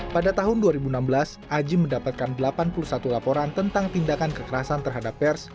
pada tahun dua ribu enam belas aji mendapatkan delapan puluh satu laporan tentang tindakan kekerasan terhadap pers